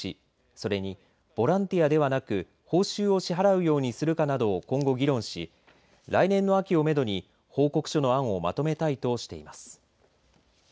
それにボランティアではなく報酬を支払うようにするかなどを今後、議論し来年の秋をめどに報告書の案をまとめたいとしています。